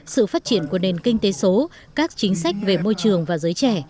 sự phát triển của nền kinh tế số các chính sách về môi trường và giới trẻ